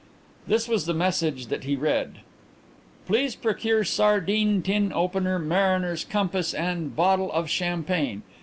This was the message that he read: _Please procure sardine tin opener mariner's compass and bottle of champagne.